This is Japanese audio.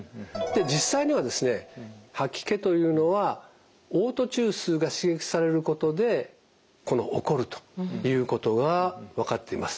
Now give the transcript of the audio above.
実際にはですね吐き気というのはおう吐中枢が刺激されることで起こるということが分かっています。